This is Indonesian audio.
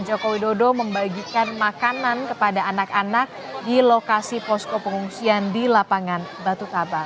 joko widodo menunjukkan bahwa banjir lahar hujan gunung marapi ini juga menyebabkan kematian